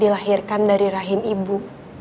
dilahirkan dari rahim ibu